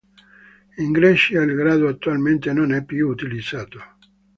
In Grecia il grado attualmente non è più utilizzato.